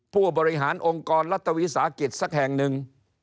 ผู้บริหารองค์กรรัฐวิสาหกิจสักแห่งหนึ่ง